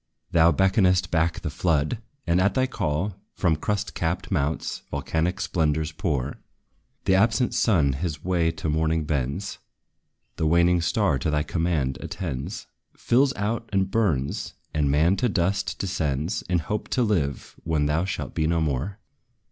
Thou beckonest back the flood! and at thy call, From crust capped mounts, volcanic splendors pour. The absent sun his way to morning bends; The waning star to thy command attends, Fills out and burns; and man to dust descends, In hope to live, when thou shalt be no more.